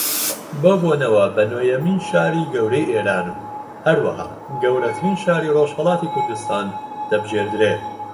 بەو بۆنەوە بە نۆیەمین شاری گەورەی ئێران و ھەروەھا گەورەترین شاری ڕۆژھەڵاتی کوردستان دەبژێردرێ